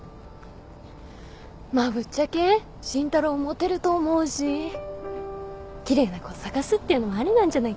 まあぶっちゃけ慎太郎モテると思うし奇麗な子探すっていうのもありなんじゃないかな。